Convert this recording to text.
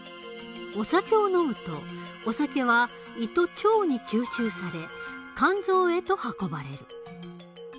お酒を飲むとお酒は胃と腸に吸収され肝臓へと運ばれる。